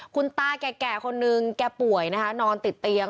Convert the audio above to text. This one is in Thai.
คุณตาแก่คนนึงแกป่วยนะคะนอนติดเตียง